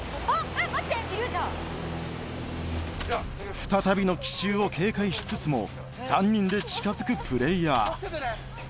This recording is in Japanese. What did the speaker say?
再びの奇襲を警戒しつつも３人で近づくプレーヤー